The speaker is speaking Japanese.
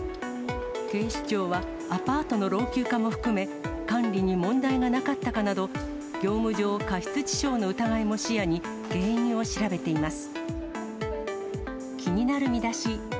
警視庁は、アパートの老朽化も含め、管理に問題がなかったかなど、業務上過失致傷の疑いも視野に、原因を調べています。